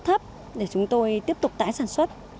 thấp để chúng tôi tiếp tục tái sản xuất